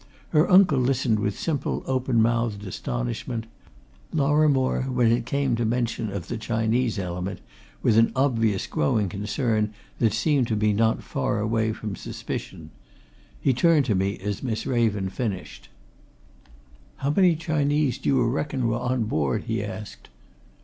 Her uncle listened with simple, open mouthed astonishment; Lorrimore, when it came to mention of the Chinese element, with an obvious growing concern that seemed to be not far away from suspicion. He turned to me as Miss Raven finished. "How many Chinese do you reckon were on board?" he asked.